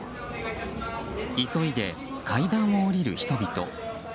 急いで階段を下りる人々。